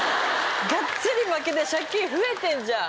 ガッツリ負けて借金増えてんじゃん。